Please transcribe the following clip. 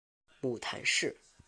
母谈氏。